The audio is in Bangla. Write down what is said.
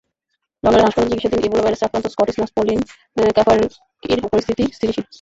লন্ডনের হাসপাতালে চিকিৎসাধীন ইবোলা ভাইরাসে আক্রান্ত স্কটিশ নার্স পলিন ক্যাফারকির পরিস্থিতি স্থিতিশীল।